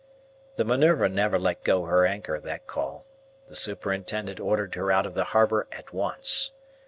The Minerva never let go her anchor that call. The superintendent ordered her out of the harbour at once.